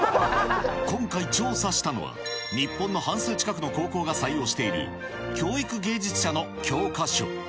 今回調査したのは、日本の半数近くの高校が採用している、教育芸術社の教科書。